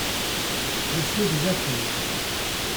Je fais des affaires.